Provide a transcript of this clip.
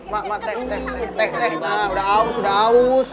mak teh teh udah aus udah aus